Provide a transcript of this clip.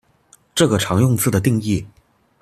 這個常用字的定義